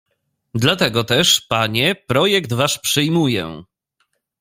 "Dlatego też, panie, projekt wasz przyjmuję."